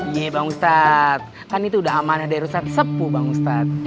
iya bang ustaz kan itu udah amanah dari ustaz sepuh bang ustaz